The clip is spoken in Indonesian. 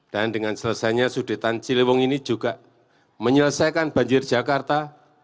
dan dengan selesainya sodetan ciliwung ini juga menyelesaikan banjir jakarta